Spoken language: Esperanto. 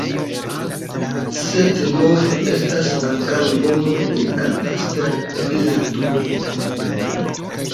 Cetnov estas ankaŭ nomo de katastra teritorio.